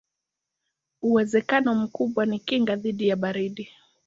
Uwezekano mkubwa ni kinga dhidi ya baridi.